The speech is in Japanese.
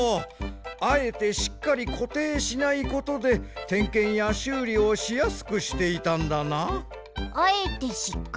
あえてしっかりこていしないことでてんけんやしゅうりをしやすくしていたんだな。